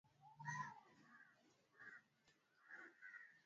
Kuvimba kwa ngozi inayoninginia chini ya shingo ni dalili ya ugonjwa wa mapafu